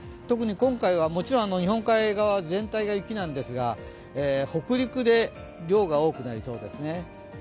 特に今回はもちろん日本海側全体が雪なんですが、北陸で量が多くなりそうですね。